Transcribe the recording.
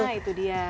ah itu dia